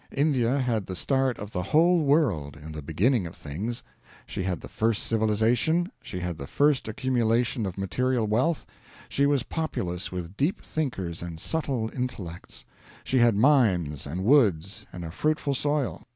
India had the start of the whole world in the beginning of things. She had the first civilization; she had the first accumulation of material wealth; she was populous with deep thinkers and subtle intellects; she had mines, and woods, and a fruitful soil.